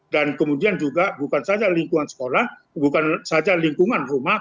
dan kemudian juga bukan saja lingkungan sekolah bukan saja lingkungan rumah